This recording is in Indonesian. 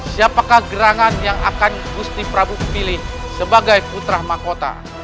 siapakah gerangan yang akan gusti prabu pilih sebagai putra mahkota